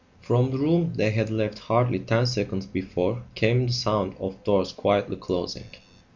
From the room they had left hardly ten seconds before came the sound of doors quietly closing.